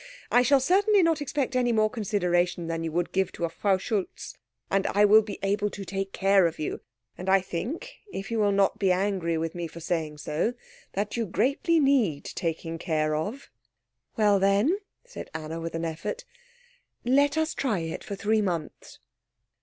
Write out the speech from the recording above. I shall certainly not expect any more consideration than you would give to a Frau Schultz. And I will be able to take care of you; and I think, if you will not be angry with me for saying so, that you greatly need taking care of." "Well, then," said Anna, with an effort, "let us try it for three months."